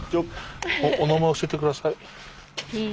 お名前教えて下さい。